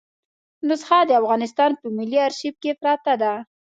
نسخه د افغانستان په ملي آرشیف کې پرته ده.